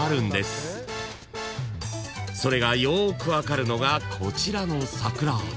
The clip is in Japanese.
［それがよく分かるのがこちらの桜］